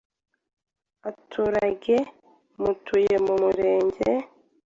aturage mutuye mu Murenge